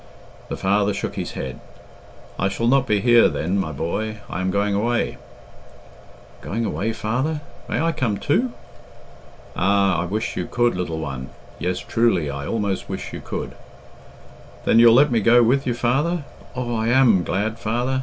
The father shook his head. "I shall not be here then, my boy. I am going away " "Going away, father? May I come too?" "Ah! I wish you could, little one. Yes, truly I almost wish you could." "Then you'll let me go with you, father! Oh, I am glad, father."